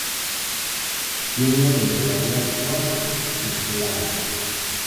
Tiene una temperatura suave, templada.